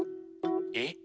えっ？